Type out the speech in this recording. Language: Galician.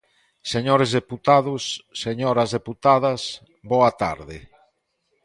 Señores deputados, señoras deputadas, boa tarde.